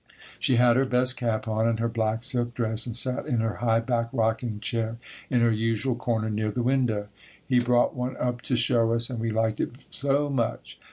She had her best cap on and her black silk dress and sat in her high back rocking chair in her usual corner near the window. He brought one up to show us and we like it so much.